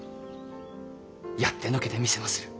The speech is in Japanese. やってのけてみせまする。